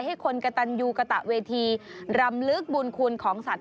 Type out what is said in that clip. ให้คนกระตันยูกระตะเวทีรำลึกบุญคุณของสัตว